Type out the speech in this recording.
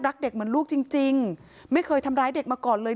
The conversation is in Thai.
รักเด็กเหมือนลูกจริงไม่เคยทำร้ายเด็กมาก่อนเลย